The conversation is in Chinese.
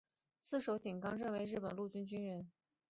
四手井纲正为日本陆军军人。